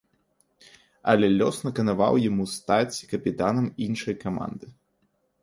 Але лёс наканаваў яму стаць капітанам іншай каманды.